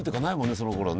そのころね。